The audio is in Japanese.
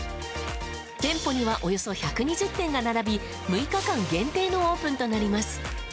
店舗には、およそ１２０点が並び６日間限定のオープンとなります。